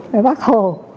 và bác hồ